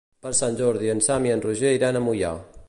Per Sant Jordi en Sam i en Roger iran a Moià.